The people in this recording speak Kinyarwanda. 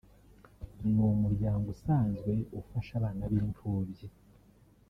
ni umuryango usanzwe ufasha abana b’imfubyi